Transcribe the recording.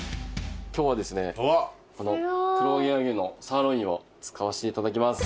今日はですね黒毛和牛のサーロインを使わせて頂きます。